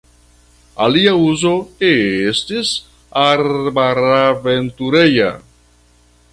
Alia uzo estis arbaraventureja.